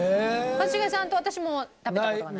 一茂さんと私食べた事がない。